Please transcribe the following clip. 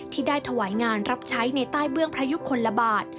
ที่ได้ถวายงานรับใช้ในใต้เบื้องพระยุคลบาท